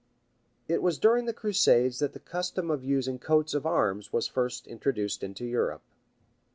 ] It was during the crusades that the custom of using coats of arms was first introduced into Europe.